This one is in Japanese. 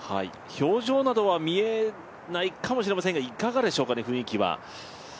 表情などは見えないかもしれませんがいかがでしょうかね、雰囲気は。